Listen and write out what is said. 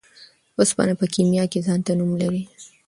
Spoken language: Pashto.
اوسپنه په کيميا کي ځانته نوم لري .